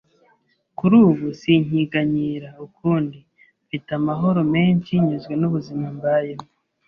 Kuri ubu sinkiganyira ukundi, mfite amahoro menshi nyuzwe n’ubuzima mbayemo